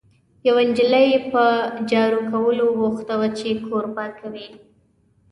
یوه نجلۍ یې په جارو کولو بوخته وه، چې کور پاکوي.